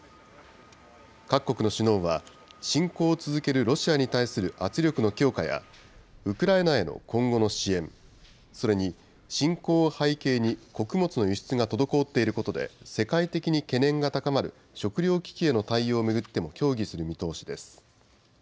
各国の首脳は、侵攻を続けるロシアに対する圧力の強化や、ウクライナへの今後の支援、それに侵攻を背景に穀物の輸出が滞っていることで、世界的に懸念が高まる食料危機への対応を巡っても協議する見通しです。